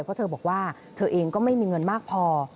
เพราะเธอบอกว่าเธอเองก็ไม่มีเงินมากพอ